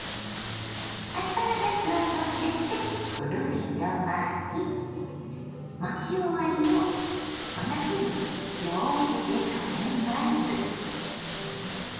アスパラガスをのせてくるりと巻き巻き終わりをこんなふうにようじでとめます。